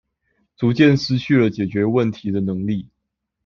逐漸失去了解決問題的能力